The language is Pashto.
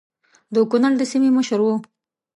د کنړ د سیمې مشر وو.